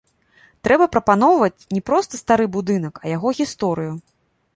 Трэба прапаноўваць не проста стары будынак, а яго гісторыю.